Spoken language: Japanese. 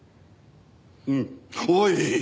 うん。おい！